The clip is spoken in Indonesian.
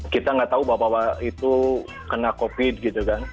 kita nggak tahu bapak bapak itu kena covid gitu kan